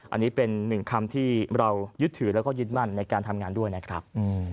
อันนี้เป็นหนึ่งคำที่เรายึดถือแล้วก็ยึดมั่นในการทำงานด้วยนะครับ